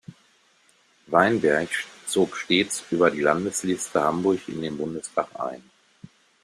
Weinberg zog stets über die Landesliste Hamburg in den Bundestag ein.